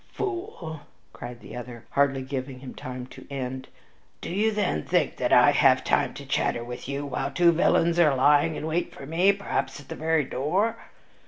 "Fool!" cried the other, hardly giving him time to end. "Do you, then, think that I have time to chatter with you while two villains are lying in wait for me, perhaps at the very door?